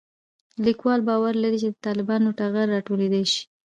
لیکوال باور لري چې د طالبانو ټغر راټولېدای شي